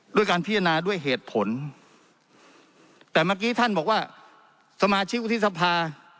ด้วยการพิจารณาด้วยเหตุผลแต่เมื่อกี้ท่านบอกว่าสมาชิกวุฒิสภา